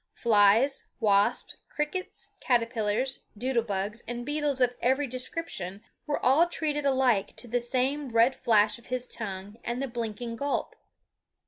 Flies, wasps, crickets, caterpillars, doodle bugs, and beetles of every description were all treated alike to the same red flash of his tongue and the blinking gulp.